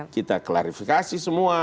kita klarifikasi semua